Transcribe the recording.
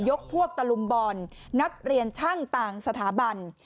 พวกตะลุมบอลนักเรียนช่างต่างสถาบัน